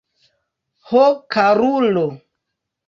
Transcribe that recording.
Ho, karulo!